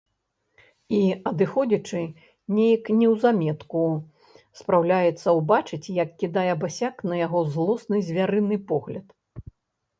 І, адыходзячы, неяк неўзаметку спраўляецца ўбачыць, як кідае басяк на яго злосны звярыны погляд.